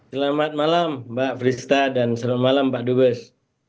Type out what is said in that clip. selamat malam mbak frista dan selamat malam pak dubes